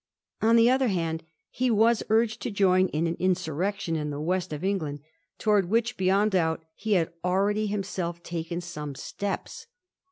On the other hand, he was urged to join in an insurrection in the West of England, towards which, beyond doubt, he had already himself taken some steps.